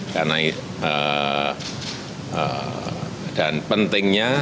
karena dan pentingnya